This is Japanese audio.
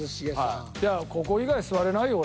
いやここ以外座れないよ